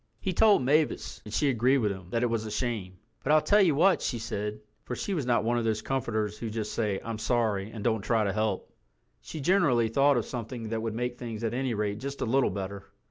He told Mavis, and she agreed with him that it was a shame. "But I'll tell you what," she said, for she was not one of those comforters who just say, "I'm sorry," and don't try to help. She generally thought of something that would make things at any rate just a little better.